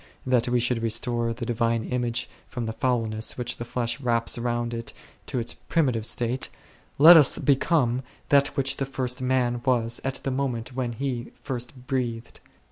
that we should restore the divine image from the foulness which the flesh wraps round it to its primitive state, let us become that which the First Man was at the moment when he first breathed.